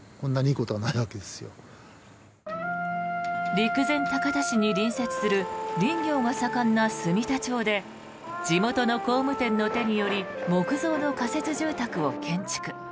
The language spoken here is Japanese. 陸前高田市に隣接する林業が盛んな住田町で地元の工務店の手により木造の仮設住宅を建築。